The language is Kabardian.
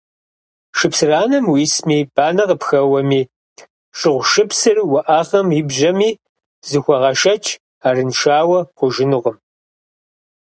Шыпсыранэм уисми, банэ къыпхэуэми, шыгъушыпсыр уӏэгъэм ибжьэми, зыхуэгъэшэч, арыншауэ ухъужынукъым.